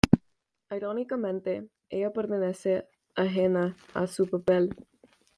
Irónicamente, ella permanece ajena a su papel.